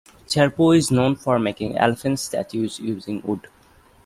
Cherpu is known for making elephant statues using wood.